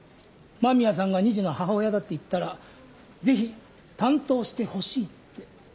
間宮さんが２児の母親だって言ったらぜひ担当してほしいって。